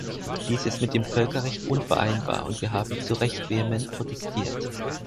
Dies ist mit dem Völkerrecht unvereinbar, und wir haben zu Recht vehement protestiert.